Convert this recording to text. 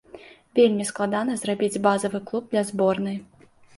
Вельмі складана зрабіць базавы клуб для зборнай.